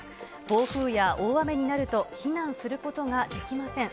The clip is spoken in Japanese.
暴風や大雨になると、避難することができません。